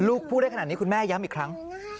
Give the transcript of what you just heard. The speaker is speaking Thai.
พูดได้ขนาดนี้คุณแม่ย้ำอีกครั้ง